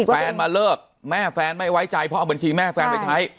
แฟนมาเลิกแม่แฟนไม่ไว้ใจเพราะเอาบัญชีแม่แฟนไปใช้